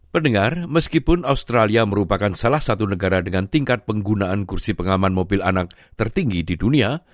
pendengar meskipun australia merupakan salah satu negara dengan tingkat penggunaan kursi pengaman mobil anak tertinggi di dunia